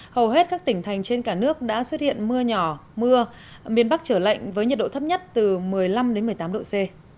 hầu hết các tỉnh thành trên cả nước đã xuất hiện mưa nhỏ mưa miền bắc trở lạnh với nhiệt độ thấp nhất từ một mươi năm một mươi tám độ c